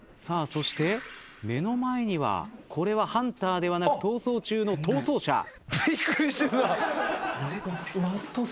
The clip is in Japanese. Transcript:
さあそして目の前にはこれはハンターではなく『逃走中』の逃走者。